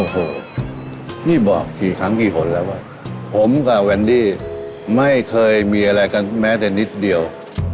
โอ้โหนี่บอกกี่ครั้งกี่คนแล้วว่ะผมกับแวนดี้ไม่เคยมีอะไรกันแม้แต่นิดเดียว